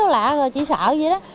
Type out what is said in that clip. lạ rồi chỉ sợ gì đó